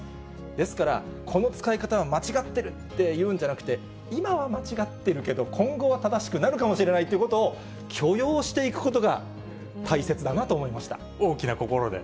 ですから、この使い方が間違ってるっていうんじゃなくて、今は間違っているけど、今後は正しくなるかもしれないということを許容していくことが大大きな心で。